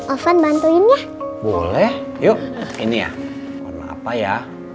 oven bantuin ya boleh yuk ini ya apa ya